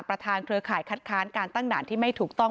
เครือข่ายคัดค้านการตั้งด่านที่ไม่ถูกต้อง